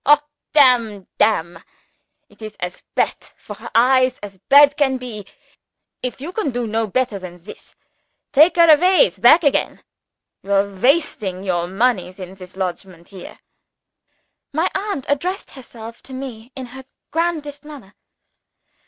Ho damn damn! it is as bad for her eyes as bad can be. If you can do no better than this, take her aways back again. You are wasting your moneys in this lodgment here." My aunt addressed herself to me in her grandest manner.